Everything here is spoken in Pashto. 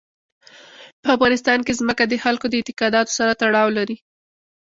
په افغانستان کې ځمکه د خلکو د اعتقاداتو سره تړاو لري.